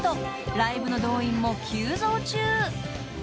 ライブの動員も急増中］